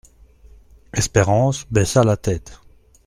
Espérance baissa la tête.